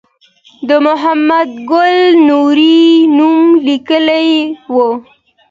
د محمد ګل نوري نوم لیکلی و.